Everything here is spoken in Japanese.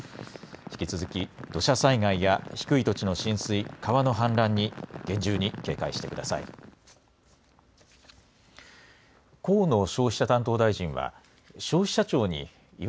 引き続き、土砂災害や低い土地の浸水、川の氾濫に厳重に警戒してください。